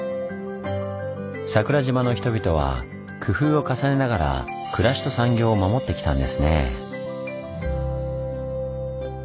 桜島の人々は工夫を重ねながら暮らしと産業を守ってきたんですね。